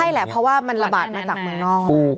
ใช่แหละเพราะว่ามันระบาดมาจากเมืองนอก